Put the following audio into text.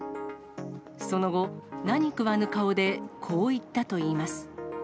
その後、何食わぬ顔でこう言ったといいます。